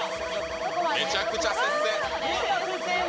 めちゃくちゃ接戦。